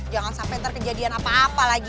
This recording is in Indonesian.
jangan sampai nanti kejadian apa apa lagi